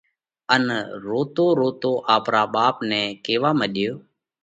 ان روتو روتو آپرا ٻاپ نئہ نئہ ڪيوا مڏيو: